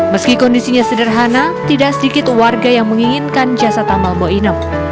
meski kondisinya sederhana tidak sedikit warga yang menginginkan jasa tambal bo inem